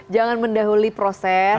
jangan mendahului proses